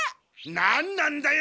なんなんだよ！